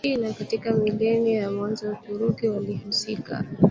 mwa China katika milenia ya kwanza Waturuki walihusika